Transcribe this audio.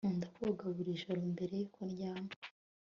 Nkunda koga buri joro mbere yo kuryama